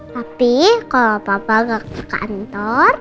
tapi kalau papa nggak ke kantor